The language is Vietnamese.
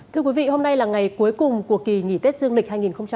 thưa quý vị hôm nay là ngày cuối cùng của kỳ nghỉ tết dương lịch hai nghìn hai mươi bốn